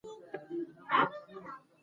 زه غواړم چې په راتلونکي کې یو ډاکټر شم.